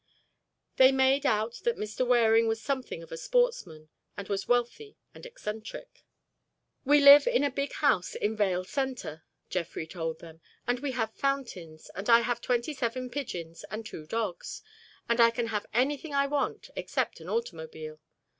They made out that Mr. Waring was something of a sportsman and was wealthy and eccentric. "We live in a big house in Vale Centre," Jeffrey told them, "and we have fountains and I have twenty seven pigeons and two dogs—and I can have anything I want except an automobile.